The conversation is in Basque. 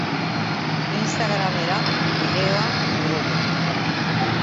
Instagramera bideoa igo du.